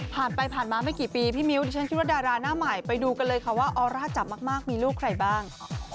ผ่านไปผ่านมาไม่กี่ปีพี่มิ้วดิฉันคิดว่าดาราหน้าใหม่ไปดูกันเลยค่ะว่าออร่าจับมากมีลูกใครบ้าง